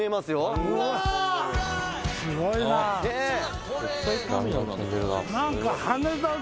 「すごいな」